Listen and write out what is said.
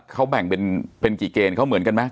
เขาแบ่งเป็นกี่เกณฑ์เขาเหมือนกันไหม